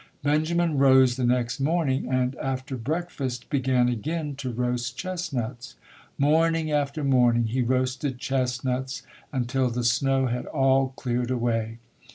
Benjamin rose the next morning, and after breakfast, began again to roast chestnuts. Morn ing after morning he roasted chestnuts until the snow had all cleared away.